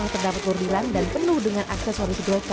terdapat bordiran dan penuh dengan aksesoris bloka